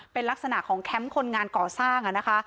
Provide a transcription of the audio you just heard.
เป็นลักษณะของแคมป์คนงานก่อสร้าง